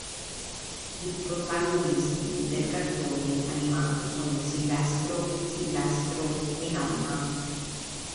I protagonisti del cartone animato sono Silvestro, Silvestro e Nonna.